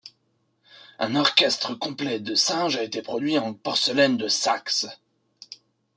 Un orchestre complet de singes a été produit en porcelaine de Saxe.